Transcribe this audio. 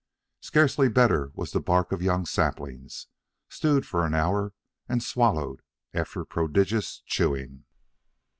Scarcely better was the bark of young saplings, stewed for an hour and swallowed after prodigious chewing.